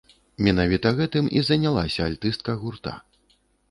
Менавіта гэтым і занялася альтыстка гурта.